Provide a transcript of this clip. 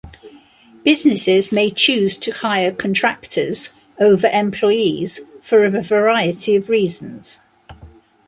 Businesses may choose to hire contractors over employees for a variety of reasons.